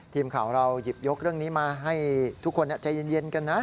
ทีมข่าวเราหยิบยกเรื่องนี้มาให้ทุกคนใจเย็นกันนะ